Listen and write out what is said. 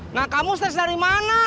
nah kamu stres dari mana